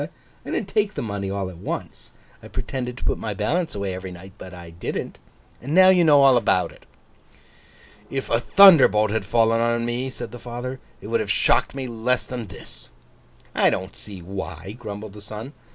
I didn't take the money all at once. I pretended to put my balance away every night, but I didn't. Now you know all about it.' 'If a thunderbolt had fallen on me,' said the father, 'it would have shocked me less than this!' 'I don't see why,' grumbled the son.